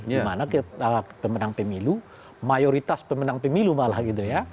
dimana pemenang pemilu mayoritas pemenang pemilu malah gitu ya